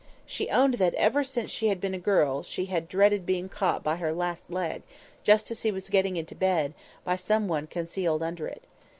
She owned that, ever since she had been a girl, she had dreaded being caught by her last leg, just as she was getting into bed, by some one concealed under it.